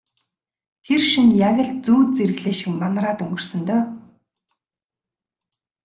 Тэр шөнө яг л зүүд зэрэглээ шиг манараад өнгөрсөн дөө.